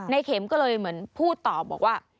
เข็มก็เลยเหมือนพูดต่อบอกว่า